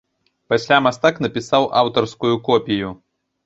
Пасля мастак напісаў аўтарскую копію.